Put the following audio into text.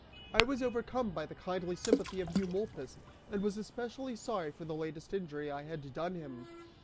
I was overcome by the kindly sympathy of Eumolpus, and was especially sorry for the latest injury I had done him.